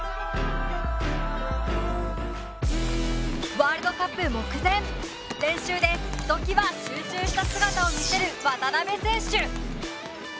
ワールドカップ目前練習でひときわ集中した姿を見せる渡邊選手。